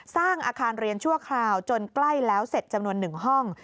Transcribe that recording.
สร้างอาคารเรียนชั่วคราวจนใกล้แล้วเสร็จจำนวน๑ห้อง